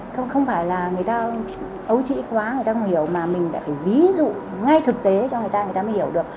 không phải là người ta ấu trĩ quá người ta không hiểu mà mình đã phải ví dụ ngay thực tế cho người ta người ta mới hiểu được